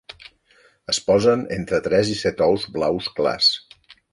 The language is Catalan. Es posen entre tres i set ous blaus clars.